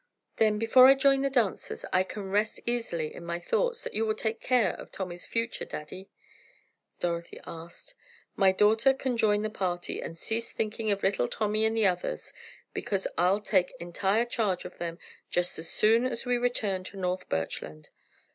"Then, before I join the dancers, I can rest easily in my thoughts, that you will take care of Tommy's future, daddy?" Dorothy asked. "My daughter can join the party, and cease thinking of little Tommy and the others, because I'll take entire charge of them just as soon as we return to North Birchland."